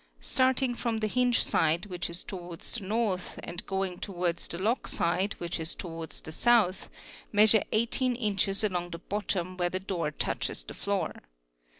Starting from the hinge side which is towards the nort and going towards the lock side which is towards the south, measure 1 inches along the bottom where the door touches the floor.